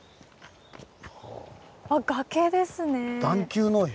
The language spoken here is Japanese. あっ崖ですね。